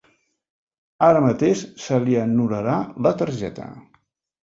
Ara mateix se li anul·larà la targeta.